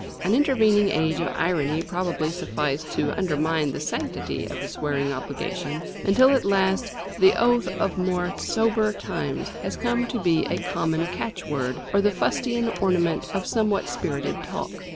An intervening age of irony probably sufficed to undermine the sanctity of the swearing obligation, until at last the oath of more sober times has come to be a common catchword, or the fustian ornament of somewhat spirited talk.